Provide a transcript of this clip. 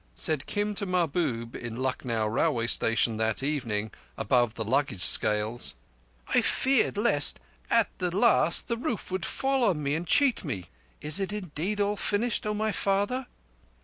Said Kim to Mahbub in Lucknow railway station that evening, above the luggage scales: "I feared lest at the last, the roof would fall upon me and cheat me. It is indeed all finished, O my father?"